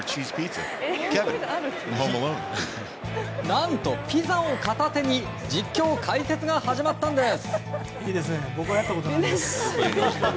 何とピザを片手に実況、解説が始まったんです。